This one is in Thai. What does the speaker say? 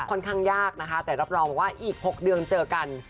ค่อนข้างยากนะคะแต่รับรองว่าอีก๖เดือนเจอกัน